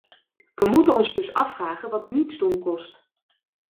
We moeten ons dus afvragen wat nietsdoen kost!